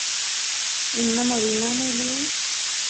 — Мемнан авийна мо лийын?